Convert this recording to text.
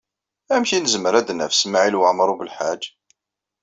Amek ay nezmer ad d-naf Smawil Waɛmaṛ U Belḥaǧ?